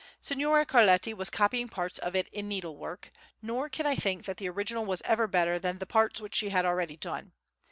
Signora Carletti was copying parts of it in needlework, nor can I think that the original was ever better than the parts which she had already done.